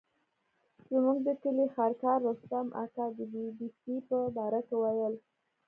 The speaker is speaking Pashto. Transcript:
زموږ د کلي خرکار رستم اکا د بي بي سي په باره کې ویل.